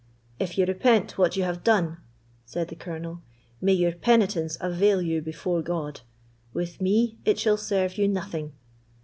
"If you repent what you have done," said the Colonel, "may your penitence avail you before God; with me it shall serve you nothing.